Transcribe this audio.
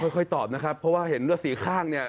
ค่อยตอบนะครับเพราะว่าเห็นว่าสี่ข้างเนี่ย